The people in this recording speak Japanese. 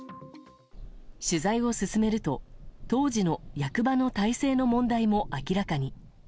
取材を進めると、当時の役場の体制の問題も明らかに。